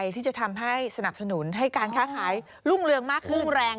ที่จะทำให้สนับสนุนให้การขายออนไลน์ช่วงนี้ก็ขายดีนะแต่อยากจะรู้จริง